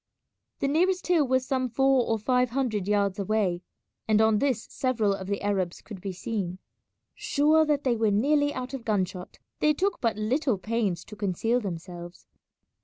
The nearest hill was some four or five hundred yards away, and on this several of the Arabs could be seen. Sure that they were nearly out of gun shot, they took but little pains to conceal themselves.